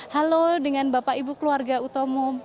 halo dengan bapak ibu keluarga utomo